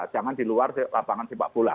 jangan di luar lapangan sepak bola